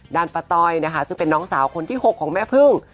ป้าต้อยนะคะซึ่งเป็นน้องสาวคนที่๖ของแม่พึ่ง